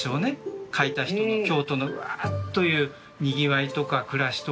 描いた人の京都のうわっというにぎわいとか暮らしとかが。